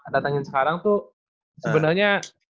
datangin sekarang tuh sebenarnya